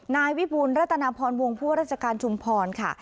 นายวิบูรณ์รัฐนพรวงภัวราชการชุมพรค่ะ